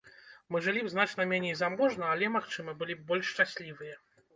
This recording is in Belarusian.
Мы жылі б значна меней заможна, але, магчыма, былі б больш шчаслівыя.